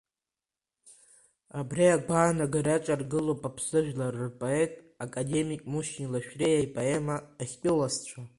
Абри агәаанагара иаҿаргылоуп Аԥсны жәлар рпоет, академик Мушьни Лашәриа ипоема Ахьтәы уасцәа.